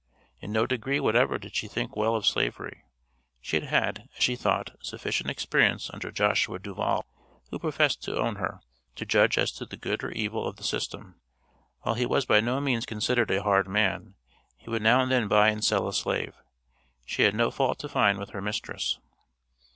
In no degree whatever did she think well of slavery; she had had, as she thought, sufficient experience under Joshua Duvall (who professed to own her) to judge as to the good or evil of the system. While he was by no means considered a hard man, he would now and then buy and sell a slave. She had no fault to find with her mistress.